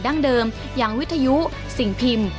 ดั้งเดิมอย่างวิทยุสิ่งพิมพ์